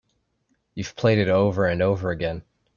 You've played it over and over again.